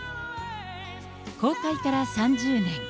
公開から３０年。